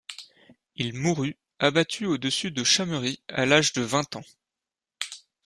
Il mourut, abattu au-dessus de Chamery à l'âge de vingt ans.